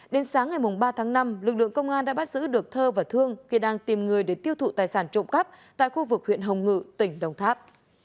đến sáng ngày ba tháng năm lực lượng công an đã bắt giữ được thơ và thương khi đang tìm người để tiêu thụ tài sản trộm cắp tại khu vực huyện hồng ngự tỉnh đồng tháp